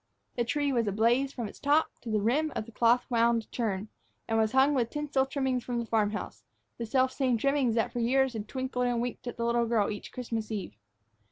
The tree was ablaze from its top to the rim of the cloth wound churn, and was hung with tinsel trimmings from the farm house, the selfsame trimmings that for years had twinkled and winked at the little girl each Christmas eve.